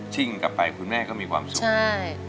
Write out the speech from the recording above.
ชิ่งกลับไปคุณแม่ก็มีความสุข